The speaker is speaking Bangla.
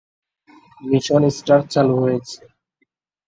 মিশন স্টার চালু হয়েছে।